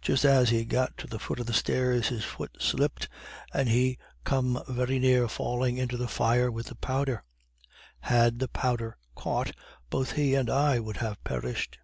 Just as he got to the foot of the stairs his foot slipped, and he come very near falling into the fire with the powder. Had the powder caught, both he and I would have perished.